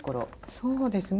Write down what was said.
そうですね。